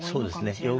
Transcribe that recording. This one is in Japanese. そうですね。